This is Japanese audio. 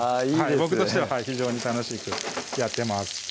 僕としては非常に楽しくやってます